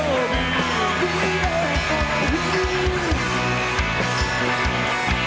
mama aku disini